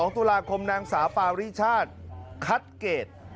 ๒ตุลาคมนางสาวปาริชาติคัดเกรด